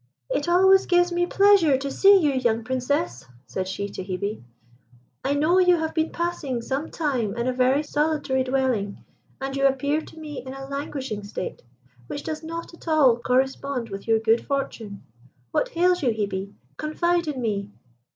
"It always gives me pleasure to see you, young Princess," said she to Hebe. "I know you have been passing some time in a very solitary dwelling, and you appear to me in a languishing state, which does not at all correspond with your good fortune. What hails you, Hebe? Confide in me."